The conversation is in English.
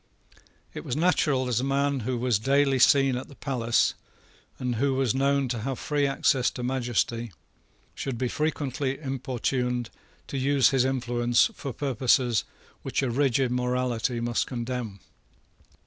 It was natural that a man who was daily seen at the palace, and who was known to have free access to majesty, should be frequently importuned to use his influence for purposes which a rigid morality must condemn.